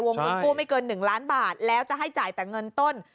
เงินกู้ไม่เกิน๑ล้านบาทแล้วจะให้จ่ายแต่เงินต้น